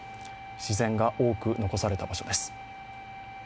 自然が多く残された場所です。